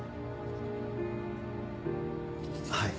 はい。